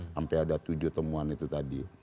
sampai ada tujuh temuan itu tadi